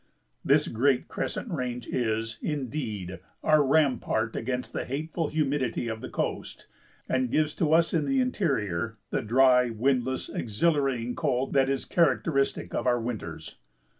This great crescent range is, indeed, our rampart against the hateful humidity of the coast and gives to us in the interior the dry, windless, exhilarating cold that is characteristic of our winters.